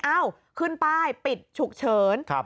เอ้าขึ้นไปปิดฉุกเฉิน